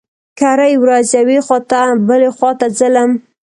کرۍ ورځ يوې خوا ته بلې خوا ته ځلم.